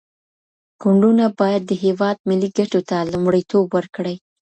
ګوندونه بايد د هېواد ملي ګټو ته لومړيتوب ورکړي.